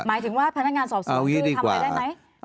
หมายถึงว่าพนักงานสอบสวนคือทำอะไรได้ไหม